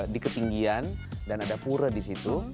di ketinggian dan ada pura di situ